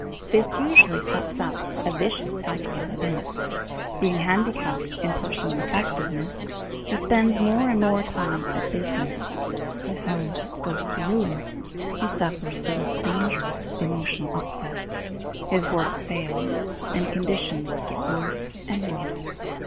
This usually sets up a vicious circle of events. Being handicapped in personal effectiveness, he spends more and more time at business. His home goes to ruin; he suffers the most dangerous emotional upsets; his work fails, and conditions get worse and worse.